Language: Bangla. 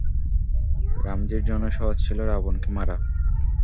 রামজির জন্য সহজ ছিলো রাবণকে মারা।